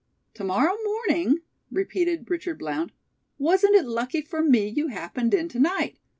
"To morrow morning?" repeated Richard Blount. "Wasn't it lucky for me you happened in to night.